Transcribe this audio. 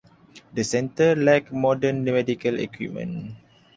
The Center lacked modern medical equipment.